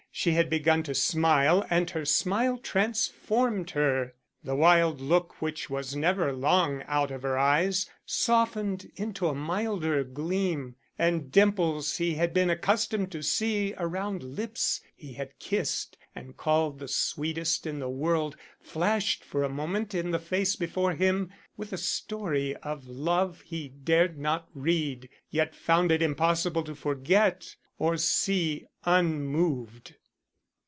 She had begun to smile and her smile transformed her. The wild look which was never long out of her eyes softened into a milder gleam, and dimples he had been accustomed to see around lips he had kissed and called the sweetest in the world flashed for a moment in the face before him with a story of love he dared not read, yet found it impossible to forget or see unmoved.